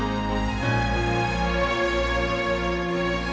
ibu mau berubah